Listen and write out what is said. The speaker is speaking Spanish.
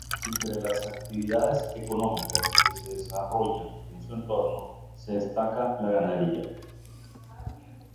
Entre las actividades económicas que se desarrollan en su entorno se destaca la ganadería.